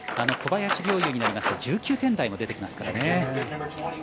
小林陵侑になりますと１９点台も出てきますからね。